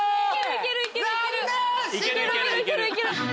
いけるいける！